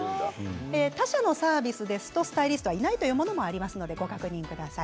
他社のサービスですとスタイリストはいないというものもありますのでご確認ください。